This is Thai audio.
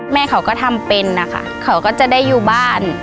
แม่เขาก็ทำเป็นนะคะเขาก็จะได้อยู่บ้าน